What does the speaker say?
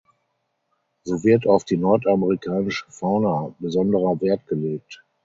So wird auf die nordamerikanische Fauna besonderer Wert gelegt.